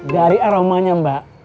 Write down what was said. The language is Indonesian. dari aromanya mbak